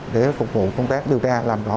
để phục vụ công tác điều tra làm rõ